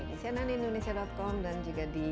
di cnnindonesia com dan juga di